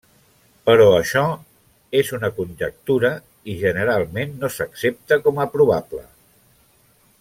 Però això és una conjectura, i generalment no s'accepta com a probable.